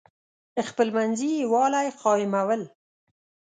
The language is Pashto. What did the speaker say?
خپلمنځي یوالی قایمول.